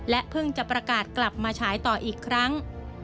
เพิ่งจะประกาศกลับมาฉายต่ออีกครั้ง